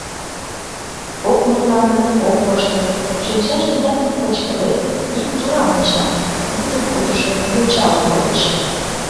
Ок мутлане, ок воштыл, шинчаж денат, пычкыде, ик тура онча, лӱдын утышо йочала коеш.